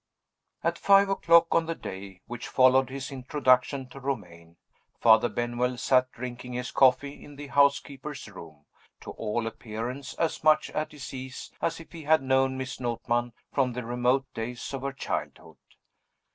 At five o'clock, on the day which followed his introduction to Romayne, Father Benwell sat drinking his coffee in the housekeeper's room to all appearance as much at his ease as if he had known Miss Notman from the remote days of her childhood.